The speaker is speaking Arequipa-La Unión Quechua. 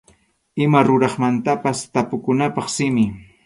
Ima ruraqmantapas tapukunapaq simi.